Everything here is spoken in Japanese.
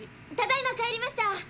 ただいま帰りました。